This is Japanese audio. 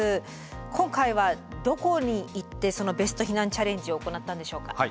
今回はどこに行ってそのベスト避難チャレンジを行ったんでしょうか？